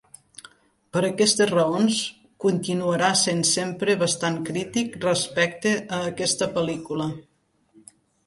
Per aquestes raons, continuarà sent sempre bastant crític respecte a aquesta pel·lícula.